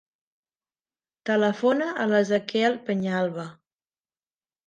Telefona a l'Ezequiel Peñalba.